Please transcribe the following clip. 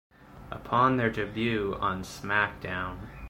Upon their debut on SmackDown!